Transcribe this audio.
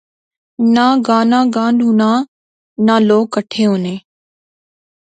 نا گانا گنڈہنونا، نا لوک کہٹھے ہونے